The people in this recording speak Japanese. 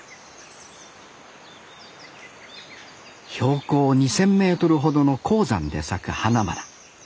標高２，０００メートルほどの高山で咲く花々。